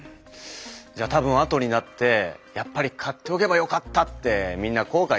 じゃあ多分あとになってやっぱり買っておけばよかったってみんな後悔してますよね。